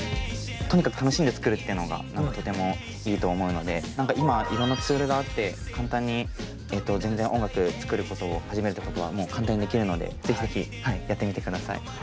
とにかく楽しんで作るっていうのがとてもいいと思うので何か今色んなツールがあって簡単に全然音楽作ることを始めるってことはもう簡単にできるので是非是非やってみてください。